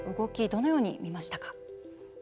どのように見ましたか？